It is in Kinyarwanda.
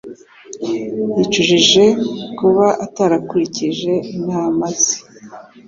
Yicujije kuba atarakurikije inama ze